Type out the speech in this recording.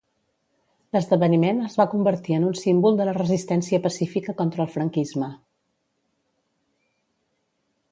L'esdeveniment es va convertir en un símbol de la resistència pacífica contra el franquisme.